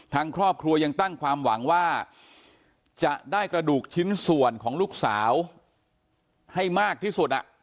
ทางครอบครัวยังตั้งความหวังว่าจะได้กระดูกชิ้นส่วนของลูกสาวให้มากที่สุด